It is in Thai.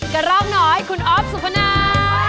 กระรอกหนอยคุณออฟสุภาณา